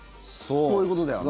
こういうことだよね。